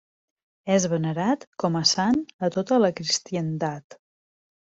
És venerat com a sant a tota la cristiandat.